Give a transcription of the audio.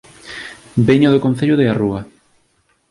Veño do Concello de A Rúa